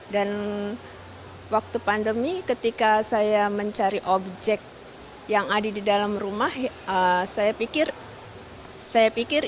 dan waktu pandemi ketika saya mencari objek yang ada di dalam rumah saya pikir saya pikir